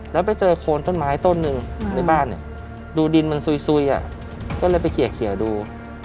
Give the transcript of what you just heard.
แล้วไปเจอโคนต้นไม้ต้นหนึ่งในบ้านดูดินมันซุยก็เลยไปเขียดู